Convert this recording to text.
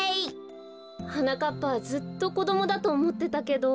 はなかっぱはずっとこどもだとおもってたけど。